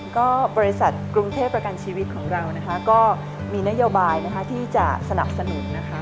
ก็บริษัทกรุงเทพประกันชีวิตของเรานะคะก็มีนโยบายนะคะที่จะสนับสนุนนะคะ